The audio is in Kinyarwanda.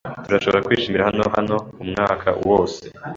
Turashobora kwishimira gusiganwa hano hano umwaka wose.